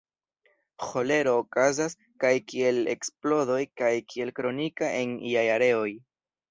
Ĥolero okazas kaj kiel eksplodoj kaj kiel kronika en iaj areoj.